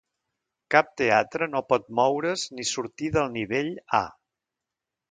Cap teatre no pot moure's ni sortir del nivell "A".